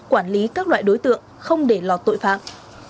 quản lý các loại đối tượng không để lọt tội phạm